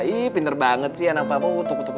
ih pinter banget sih anak bapak